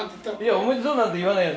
おめでとうなんて言わないよ。